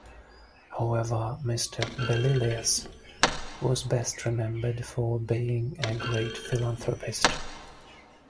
However, Mr. Belilios was best remembered for being a great philanthropist.